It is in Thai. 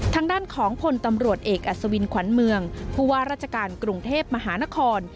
ทางด้านของพลตำรวจเอกอัศวินขวัญเมืองผู้ว่าราชการกรุงเทพมหานคร